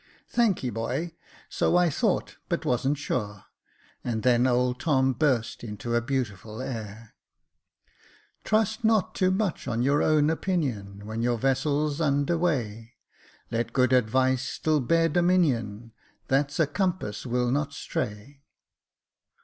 "Thanky, boy, so I thought, but wasn't sure:" and then old Tom burst out in a beautiful air. 72 Jacob Faithful " Trust not too much your own opinion, When your vessel's under weigh, Let good advice still bear dominion — That's a compass will not stray."